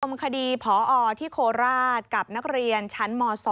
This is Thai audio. คดีพอที่โคราชกับนักเรียนชั้นม๒